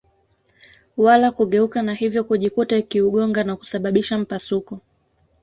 wala kugeuka na hivyo kujikuta ikiugonga na kusababisha mpasuko